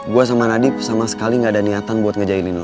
gue sama nadif sama sekali gak ada niatan buat ngejahilin lo